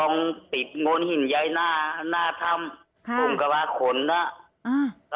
อ่าติดโม้นหินใยหน้าหน้าถ้ำค่ะผมกระบาดขนแล้วอืม